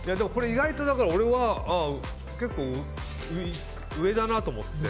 意外と俺は結構上だなと思って。